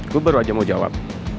gue baru aja mau jawab